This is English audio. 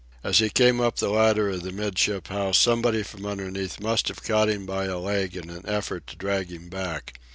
As he came up the ladder of the 'midship house somebody from beneath must have caught him by a leg in an effort to drag him back.